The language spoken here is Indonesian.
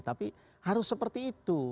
tapi harus seperti itu